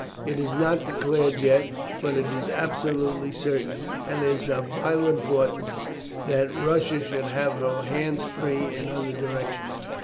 It is not declared yet, but it is absolutely certain, and it is of vital importance that Russia should have her hands free in other directions.